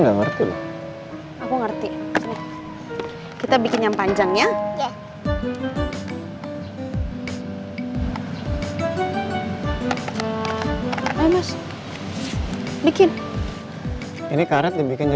terima kasih ya